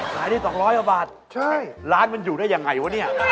ขายได้๒๐๐กว่าบาทใช่ร้านมันอยู่ได้ยังไงวะเนี่ย